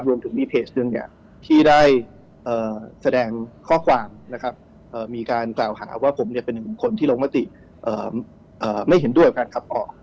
รวมถึงมีเพจหนึ่งที่ได้แสดงข้อความนะครับมีการกล่าวหาว่าผมเป็นหนึ่งคนที่ลงมติไม่เห็นด้วยกับการขับออก